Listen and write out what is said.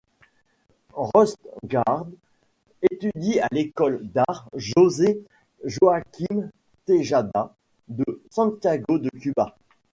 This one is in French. Rostgaard étudie à l'école d'art Jose Joaquin Tejada de Santiago de Cuba.